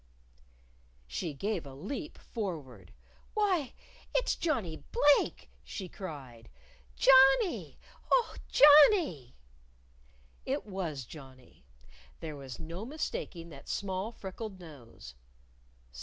She gave a leap forward. "Why, it's Johnnie Blake!" she cried. "Johnnie! Oh, Johnnie!" It was Johnnie. There was no mistaking that small freckled nose.